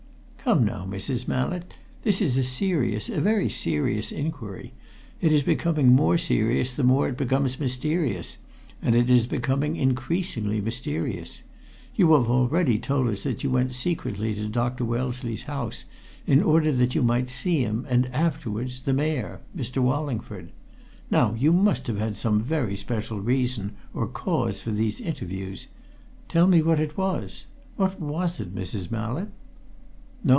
"Come, now, Mrs. Mallett! This is a serious, a very serious inquiry. It is becoming more serious the more it becomes mysterious, and it is becoming increasingly mysterious. You have already told us that you went secretly to Dr. Wellesley's house in order that you might see him and, afterwards, the Mayor, Mr. Wallingford. Now, you must have had some very special reason, or cause, for these interviews. Tell me what it was. What was it, Mrs. Mallett?" "No!